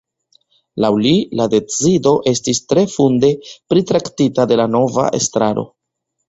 Laŭ li, la decido estis tre funde pritraktita de la nova estraro.